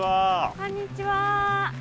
こんにちは！